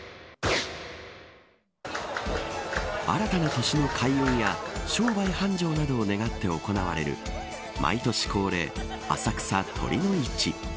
新たな年の開運や商売繁盛などを願って行われる毎年恒例、浅草酉の市。